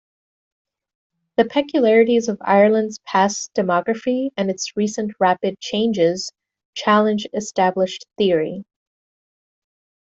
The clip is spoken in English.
The peculiarities of Ireland's past demography and its recent rapid changes challenge established theory.